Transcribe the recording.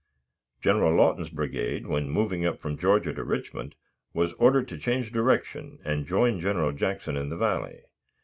General Lawton's brigade, when moving up from Georgia to Richmond, was ordered to change direction, and join General Jackson in the Valley.